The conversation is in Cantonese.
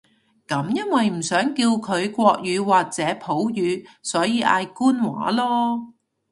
噉因為唔想叫佢國語或者普語，所以嗌官話囉